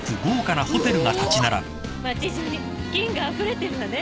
街中に金があふれてるわね。